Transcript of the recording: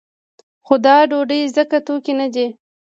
خو دا ډوډۍ ځکه توکی نه دی.